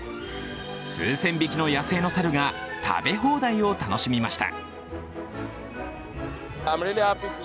数千匹の野生の猿が食べ放題を楽しみました。